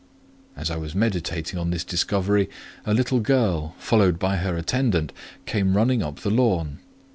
As I was meditating on this discovery, a little girl, followed by her attendant, came running up the lawn.